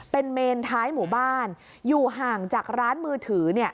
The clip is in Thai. เป็นเมนท้ายหมู่บ้านอยู่ห่างจากร้านมือถือ